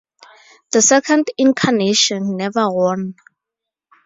The second incarnation never won.